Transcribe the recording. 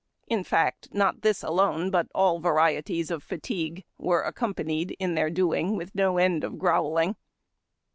In fact, not this alone but all varieties of fatigue were accompanied in their doing with no end of growling.